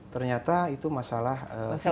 ternyata itu masalah fisik